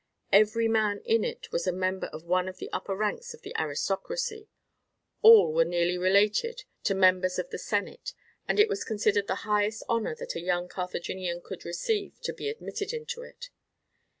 Every man in it was a member of one of the upper ranks of the aristocracy; all were nearly related to members of the senate, and it was considered the highest honour that a young Carthaginian could receive to be admitted into it.